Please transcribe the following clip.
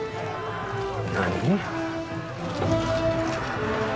何！